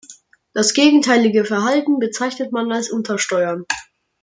Das gegenteilige Verhalten bezeichnet man als Untersteuern.